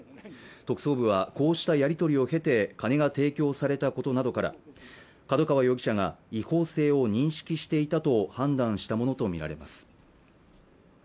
特捜部はこうしたやり取りを経て金が提供されたことなどから角川容疑者が違法性を認識していたと判断したものと見られます